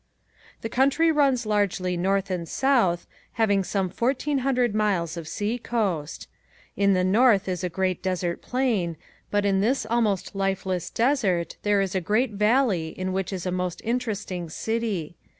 The country runs largely north and south, having some fourteen hundred miles of sea coast. In the north is a great desert plain, but in this almost lifeless desert there is a great valley in which is a most interesting city.